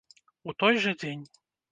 У той жа дзень.